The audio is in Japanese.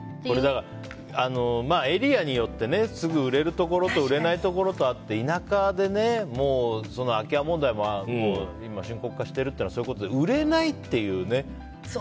エリアによってすぐ売れるところと売れないところとあって田舎で空き家問題も今、深刻化しているというのはそういうことで売れないっていうね。